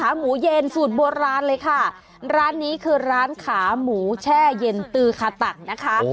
หมูเย็นสูตรโบราณเลยค่ะร้านนี้คือร้านขาหมูแช่เย็นตือคาตังนะคะ